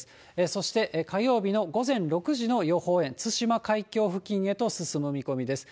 そして、火曜日の午前６時の予報円、対馬海峡付近へと進む見込みです。